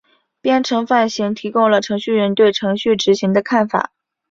编程范型提供了程序员对程序执行的看法。